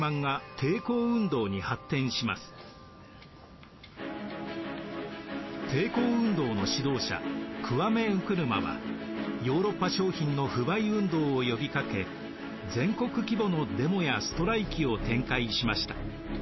抵抗運動の指導者クワメ・ンクルマはヨーロッパ商品の不買運動を呼びかけ全国規模のデモやストライキを展開しました。